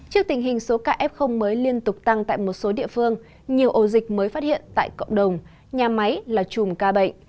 trước tình hình số kf mới liên tục tăng tại một số địa phương nhiều ồ dịch mới phát hiện tại cộng đồng nhà máy là chùm ca bệnh